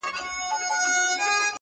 په فریاد یې وو پر ځان کفن څیرلی-